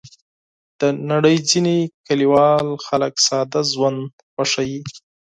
د نړۍ ځینې کلیوال خلک ساده ژوند خوښوي.